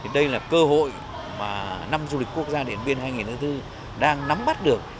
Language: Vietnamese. đây là cơ hội mà năm du lịch quốc gia điện biên hai nghìn hai mươi bốn đang nắm bắt được